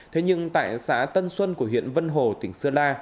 thế nhưng tại xã tân xuân của huyện vân hồ tỉnh sơn la